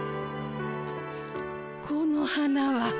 この花は。